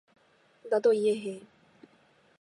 나도 이해해.